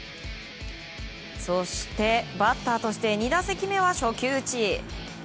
そしてバッターとして２打席目は初球打ち。